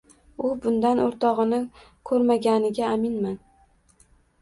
U bundan ortig’ini ko’rmaganiga aminman.